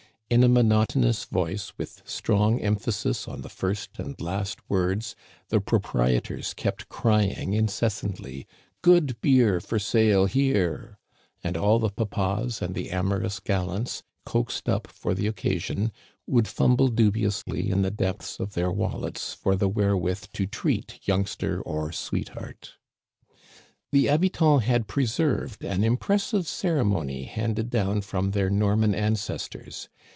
In a monotonous voice, with strong emphasis on the first and last words, the proprietors kept crying incessantly, " Good beer for sale here !*' And all the papas and the amorous gal lants, coaxed up for the occasion, would fumble du ' biously in the depths of their wallets for the wherewith to treat youngster or sweetheart. The habitants had preserved an impressive ceremony handed down from their Norman ancestors.